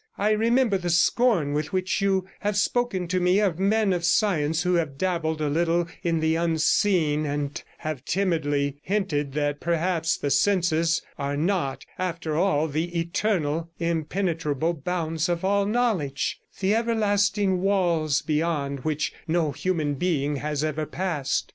I remember the scorn with which you have spoken to me of men of science who have dabbled a little in the unseen, and have timidly hinted that perhaps the senses are not, after all, the eternal, impenetrable bounds of all knowledge, the everlasting walls beyond which no human being has ever passed.